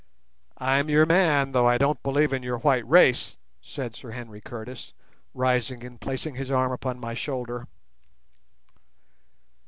"I'm your man, though I don't believe in your white race," said Sir Henry Curtis, rising and placing his arm upon my shoulder.